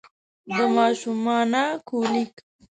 د ماشومانه کولیک